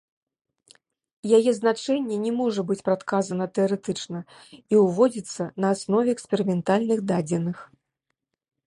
Яе значэнне не можа быць прадказана тэарэтычна і ўводзіцца на аснове эксперыментальных дадзеных.